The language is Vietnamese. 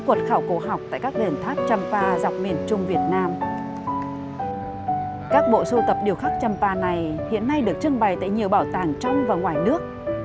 các bộ sưu tập điều khắc trăm pa này hiện nay được trưng bày tại nhiều bảo tàng trong và ngoài nước